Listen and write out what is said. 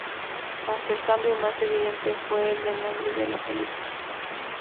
Aunque el cambio más evidente fue el del nombre de la película.